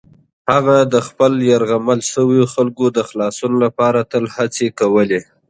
هغه د خپلو یرغمل شویو خلکو د خلاصون لپاره تل هڅې کولې.